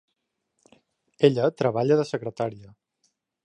Ella treballa de secretària.